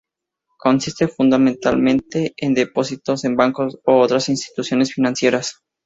Consiste fundamentalmente en depósitos en bancos u otras instituciones financieras.